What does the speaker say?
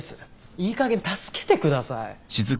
いいかげん助けてください。